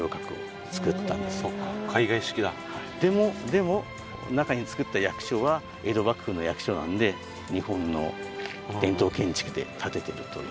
でも中につくった役所は江戸幕府の役所なんで日本の伝統建築で建ててるという。